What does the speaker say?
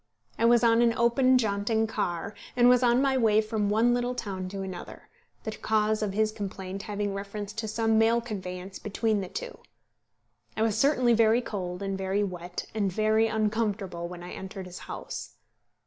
I was on an open jaunting car, and was on my way from one little town to another, the cause of his complaint having reference to some mail conveyance between the two. I was certainly very cold, and very wet, and very uncomfortable when I entered his house.